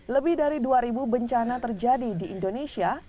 lebih dari dua bencana terjadi di indonesia